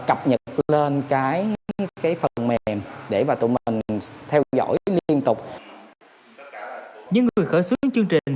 cập nhật lên cái phần mềm để mà tụi mình theo dõi liên tục những người khởi xuống chương trình